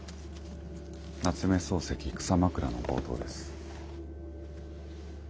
夏目漱石「草枕」の冒頭です。